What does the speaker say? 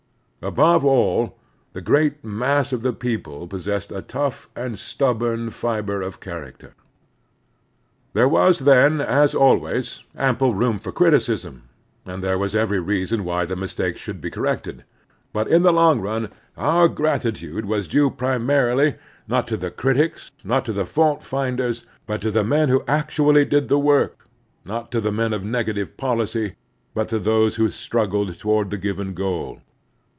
Above all, the great mass of the people possessed a tough and stub bom fiber of character. There was then, as always, ample xx>om for criticism, and there was every reason why the mistakes should be corrected. But in the long nm our gratitude was due primarily, not to the critics, not to the fault finders, but to the men who actually did the work; not to the men of negative policy, but to those who struggled toward the given goal.